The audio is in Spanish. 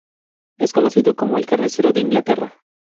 Es conocido como "el carnicero de Inglaterra".